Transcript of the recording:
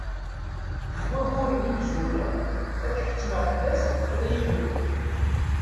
Deg wagguren imezwura ad ḥettmeɣ fell-as ad iyi-yebru.